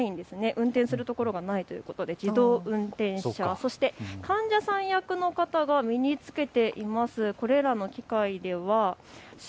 運転するところがないというところで自動運転、患者さん役の方が身に着けています